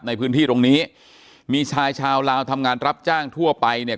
ในพื้นที่ตรงนี้มีชายชาวลาวทำงานรับจ้างทั่วไปเนี่ย